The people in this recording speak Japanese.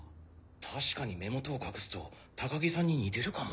確かに目元を隠すと高木さんに似てるかも。